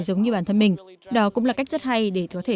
giống như bản thân mình đó cũng là cách rất hay để có thể